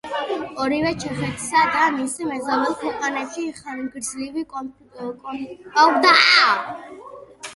ორივემ ჩეხეთსა და მის მეზობელ ქვეყნებში ხანგრძლივი კონფლიქტების ბიძგის როლი ითამაშა.